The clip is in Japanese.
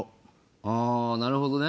ああなるほどね。